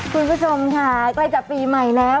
คุณผู้ชมค่ะใกล้จะปีใหม่แล้ว